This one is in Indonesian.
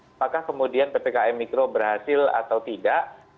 apakah kemudian ppkm mikro berhasil atau tidak